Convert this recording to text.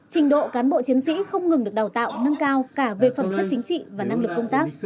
trình độ cán bộ chiến sĩ không ngừng được đào tạo nâng cao cả về phẩm chất chính trị và năng lực công tác